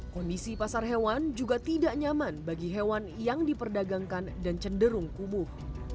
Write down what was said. kondisi pasar hewan juga tidak nyaman bagi hewan yang diperdagangkan dan cenderung kumuh